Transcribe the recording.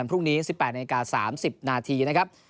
พรุ่งนี้๑๘นาที๓๐นาทีนะครับ